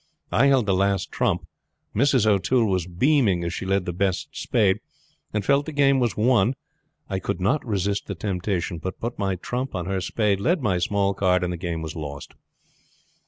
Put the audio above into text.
I held the last trump. Mrs. O'Toole was beaming as she led the best spade, and felt that the game was won. I could not resist the temptation, but put my trump on her spade, led my small card, and the game was lost.